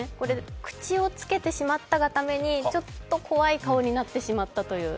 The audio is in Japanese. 口をつけてしまったがためにちょっと怖い顔になってしまったという。